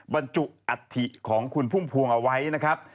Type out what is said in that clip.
บรรจุอัฐิของคุณพุ่มพวงเอาไว้นะครับ